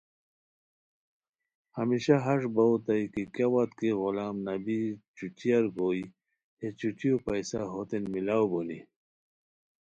ہمیشہ ہݰ باؤ اوتائے کی کیہ وت کی غلام نبی چھٹیار گوئے ہے چھٹیو پیسہ ہوتین ملاؤ بونی